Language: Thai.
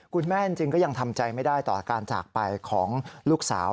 คุณแม่จริงก็ยังทำใจไม่ได้ต่อการจากไปของลูกสาว